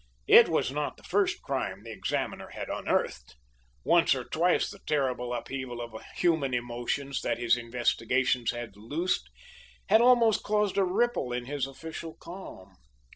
It was not the first crime the examiner had unearthed. Once or twice the terrible upheaval of human emotions that his investigations had loosed had almost caused a ripple in his official calm.